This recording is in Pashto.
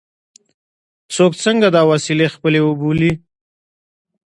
څوک څنګه دا وسیلې خپلې وبولي.